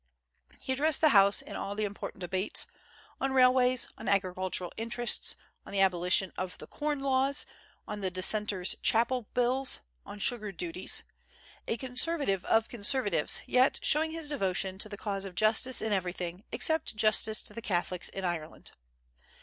He addressed the House in all the important debates, on railways, on agricultural interests, on the abolition of the corn laws, on the Dissenters' Chapel Bills, on sugar duties, a conservative of conservatives, yet showing his devotion to the cause of justice in everything except justice to the Catholics in Ireland.